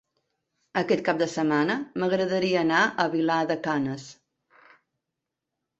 Aquest cap de setmana m'agradaria anar a Vilar de Canes.